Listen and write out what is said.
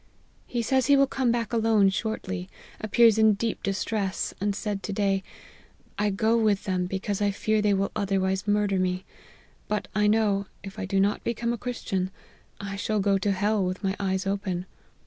He says he will come back alone shortly ; appears in deep distress ; and said to day, * I go with them because I fear they will otherwise murder me ; but I know, if I do not become a Christian, I shall go to hell with my eyes open.